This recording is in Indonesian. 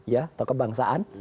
ya atau kebangsaan